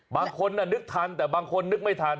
บางคนนึกทันแต่บางคนนึกไม่ทัน